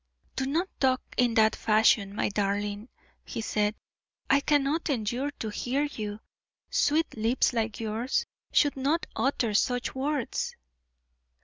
"Do not talk in that fashion, my darling," he said. "I cannot endure to hear you. Sweet lips like yours should not utter such words."